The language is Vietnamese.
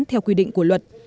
theo quy định của luật